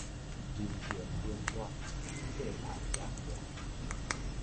人情冷暖，世態炎涼